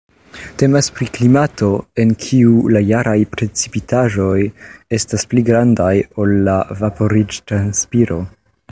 Temas pri klimato, en kiu la jaraj precipitaĵoj estas pli grandaj ol la vaporiĝ-transpiro.